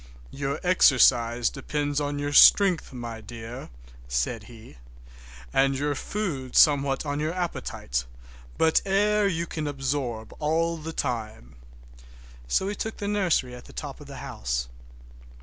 "Your exercise depends on your strength, my dear," said he, "and your food somewhat on your appetite; but air you can absorb all the time." So we took the nursery, at the top of the house.